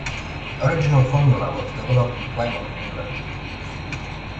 The original formula was developed in Plymouth, England.